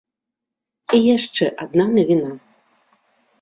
І яшчэ адна навіна!